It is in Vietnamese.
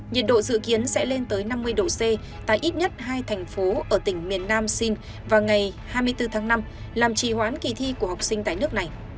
nhiệt độ dự kiến sẽ lên tới năm mươi độ c tại ít nhất hai thành phố ở tỉnh miền nam sin vào ngày hai mươi bốn tháng năm làm trì hoãn kỳ thi của học sinh tại nước này